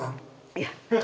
いや。